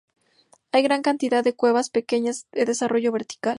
Hay gran cantidad de cuevas pequeñas de desarrollo vertical.